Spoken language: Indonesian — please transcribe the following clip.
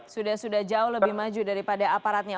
sudah sudah jauh lebih maju daripada aparatnya